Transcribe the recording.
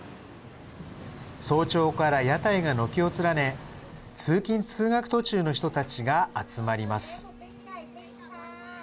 早朝から屋台が軒を連ね通勤・通学途中の人たちが集まります。